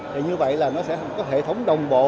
thì như vậy là nó sẽ có hệ thống đồng bộ